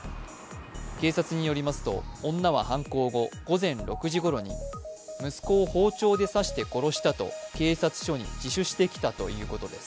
警察によりますと、女は犯行後、午前６時ごろに息子を包丁で刺して殺したと警察署に自首してきたということです。